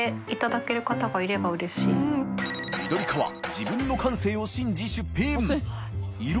自分の感性を信じ出品秧